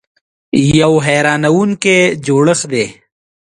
یو حیرانونکی جوړښت دی .